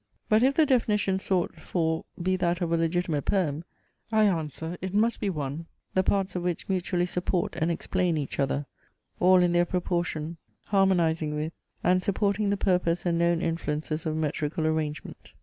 But if the definition sought for be that of a legitimate poem, I answer, it must be one, the parts of which mutually support and explain each other; all in their proportion harmonizing with, and supporting the purpose and known influences of metrical arrangement.